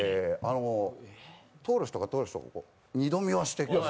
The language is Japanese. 通る人、通る人、二度見はしていきます。